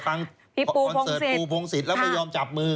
คอนเสิร์ตปูพงศิษย์แล้วไม่ยอมจับมือ